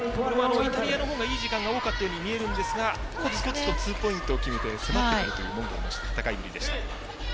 イタリアのほうがいい時間が多かったように見えるんですがコツコツとツーポイントを決めて迫ってくるというモンゴルの戦いでした。